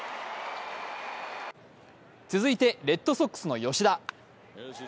続いてレッドソックスの吉田。